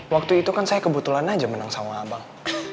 waktu itu kan saya kebetulan aja menang sama abang